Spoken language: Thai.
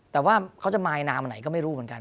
แต่ว่ามายน้ำไหนไม่รู้